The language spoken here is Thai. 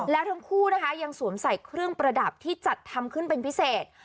แล้วทั้งคู่นะคะยังสวมใส่เครื่องประดับที่จัดทำขึ้นเป็นพิเศษ